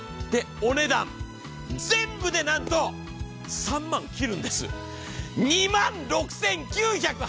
お値段、全部でなんと３万切るんです、２万６９８０円。